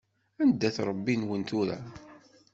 Anda-t Ṛebbi-nwen tura?